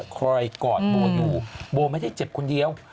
คอยกอดโบอยู่โบไม่ได้เจ็บคนเดียว